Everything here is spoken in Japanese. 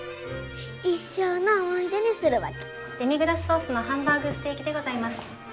デミグラスソースのハンバーグステーキでございます。